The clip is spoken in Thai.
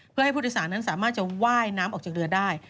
เพื่อให้ผู้โดยสารนั้นสามารถจะว่ายน้ำออกจากเรือได้